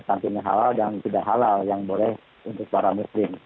stuntingnya halal dan tidak halal yang boleh untuk para muslim